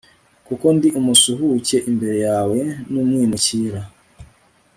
Kuko ndi umusuhuke imbere yawe N umwimukira